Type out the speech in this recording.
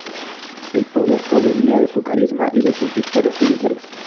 El poder provenía de su carisma y de sus victorias militares.